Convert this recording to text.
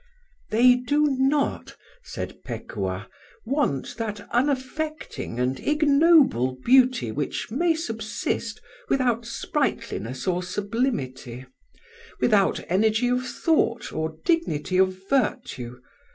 "They do not," said Pekuah, "want that unaffecting and ignoble beauty which may subsist without sprightliness or sublimity, without energy of thought or dignity of virtue.